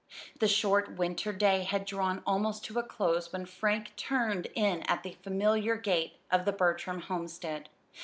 The short winter day had drawn almost to a close when Frank turned in at the familiar gate of the Bertram homestead.